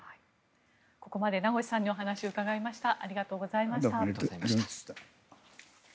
ここまで名越さんにお話を伺いました。